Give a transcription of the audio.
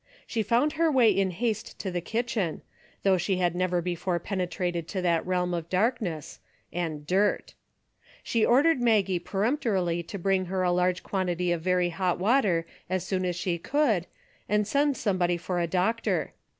She found her way in haste to the kitchen, though she had never before penetrated to that realm of darkness — and dirt. She or dered Maggie peremptorily to bring her a large quantity of very hot water as soon as she could, and send somebody for a doctor.